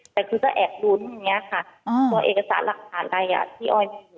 แต่คือแอบดูแบบนี้ค่ะตัวเอกสารักษาอะไรที่ไอมีอยู่